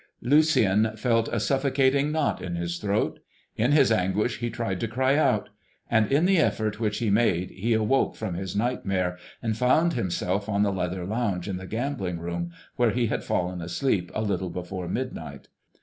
Lucien felt a suffocating knot at his throat. In his anguish he tried to cry out; and in the effort which he made he awoke from his nightmare, and found himself on the leather lounge in the gambling room, where he had fallen asleep a little before midnight.